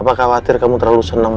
apakah khawatir kamu terlalu seneng